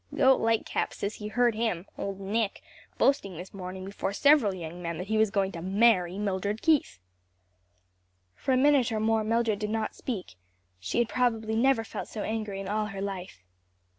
Gote Lightcap says he heard him old Nick boasting this morning, before several young men, that he was going to marry Mildred Keith." For a minute or more Mildred did not speak; she had probably never felt so angry in all her life.